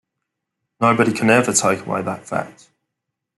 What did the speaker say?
Nobody can ever take away that fact.